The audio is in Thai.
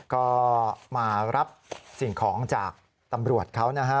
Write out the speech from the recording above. ก็มารับสิ่งของจากตำรวจเขานะฮะ